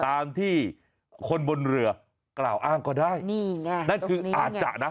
ตามที่คนบนเรือกล่าวอ้างก็ได้นี่ไงนั่นคืออาจจะนะ